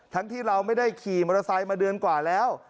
ที่เราไม่ได้ขี่มอเตอร์ไซค์มาเดือนกว่าแล้ว